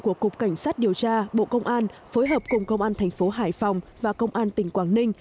của cục cảnh sát điều tra bộ công an phối hợp cùng công an thành phố hải phòng và công an tỉnh quảng ninh